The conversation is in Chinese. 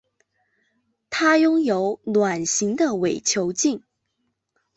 它拥有卵形的伪球茎。